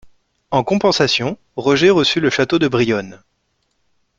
En compensation, Roger reçut le château de Brionne.